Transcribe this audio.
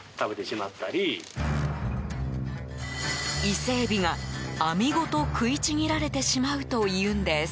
イセエビが、網ごと食いちぎられてしまうというんです。